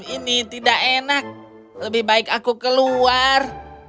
ini tidak enak lebih baik aku keluar